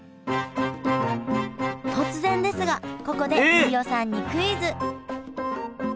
突然ですがここで飯尾さんにクイズ！